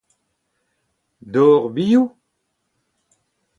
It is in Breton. Dor biv ?